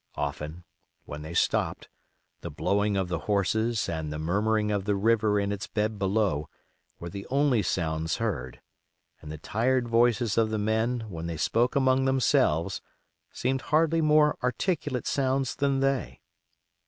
Often, when they stopped, the blowing of the horses and the murmuring of the river in its bed below were the only sounds heard, and the tired voices of the men when they spoke among themselves seemed hardly more articulate sounds than they.